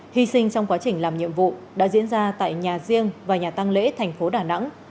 hi sinh trong quá trình làm nhiệm vụ đã diễn ra tại nhà riêng và nhà tăng lễ tp đà nẵng